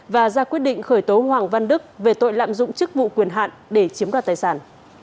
và ra quyết định khởi tố hoàng văn đức về tội lạm dụng chức vụ quyền hạn để chiếm đoạt tài sản